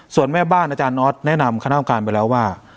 ส่วนแม่บ้านอาจารย์นอทแนะนำคณะกรรมการไปแล้วว่า